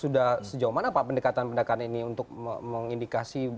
sudah sejauh mana pak pendekatan pendekatan ini untuk mengindikasi